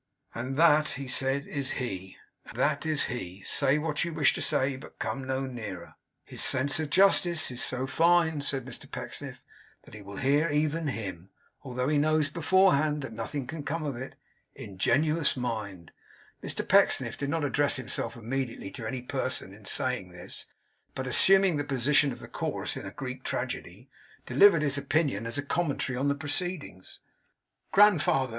'And that,' he said, 'is he. Ah! that is he! Say what you wish to say. But come no nearer,' 'His sense of justice is so fine,' said Mr Pecksniff, 'that he will hear even him, although he knows beforehand that nothing can come of it. Ingenuous mind!' Mr Pecksniff did not address himself immediately to any person in saying this, but assuming the position of the Chorus in a Greek Tragedy, delivered his opinion as a commentary on the proceedings. 'Grandfather!